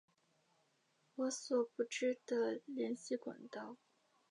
我所不知的联系管道